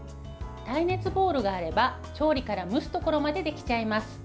耐熱ボウルがあれば調理から蒸すところまでできちゃいます。